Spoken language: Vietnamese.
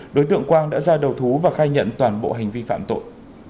đối tượng quang đã ra đầu thú và khai nhận toàn bộ hành vi phạm tội